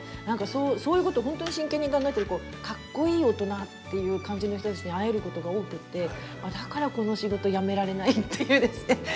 何かそういうことほんとに真剣に考えてるこうかっこいい大人っていう感じの人たちに会えることが多くってだからこの仕事やめられないっていうですね